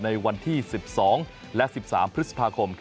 ในวันที่๑๒และ๑๓พฤษภาคม